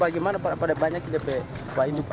bagaimana pada banyak kita beri upah ini pak